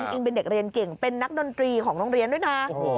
จริงเป็นเด็กเรียนเก่งเป็นนักดนตรีของโรงเรียนด้วยนะ